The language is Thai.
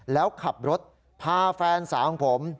แล้วขับรถพาแฟนสาวของผม